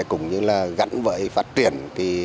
cũng như là gắn với phát triển